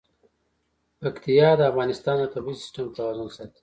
پکتیا د افغانستان د طبعي سیسټم توازن ساتي.